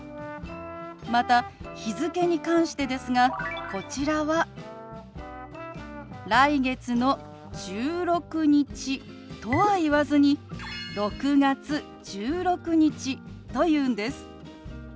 また日付に関してですがこちらは「来月の１６日」とは言わずに「６月１６日」と言うんです。